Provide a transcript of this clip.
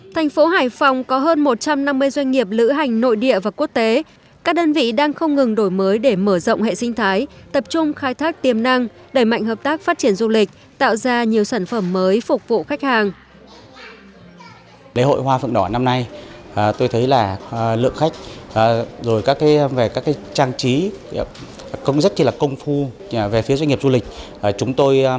thành phố hải phòng có hơn một trăm năm mươi doanh nghiệp lữ hành nội địa và quốc tế các đơn vị đang không ngừng đổi mới để mở rộng hệ sinh thái tập trung khai thác tiềm năng đẩy mạnh hợp tác phát triển du lịch tạo ra nhiều sản phẩm mới phục vụ khách hàng